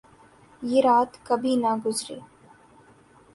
یہ رات کبھی نہ گزرے